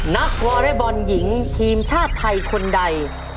วอเล็กบอลหญิงทีมชาติไทยคนใด